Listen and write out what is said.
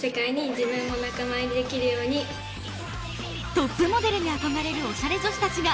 トップモデルに憧れるオシャレ女子たちが。